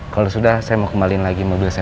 kalau sudah saya mau kembaliin lagi mobil saya